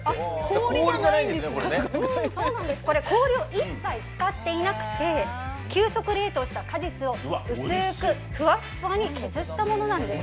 氷を一切使っていなくて急速冷凍した果実を薄くふわふわに削ったものなんです。